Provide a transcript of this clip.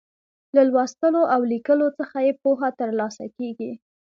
له لوستلو او ليکلو څخه يې پوهه تر لاسه کیږي.